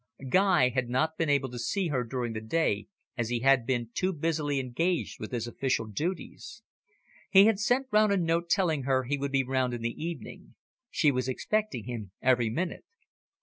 Guy had not been able to see her during the day, as he had been too busily engaged with his official duties. He had sent round a note telling her he would be round in the evening. She was expecting him every minute.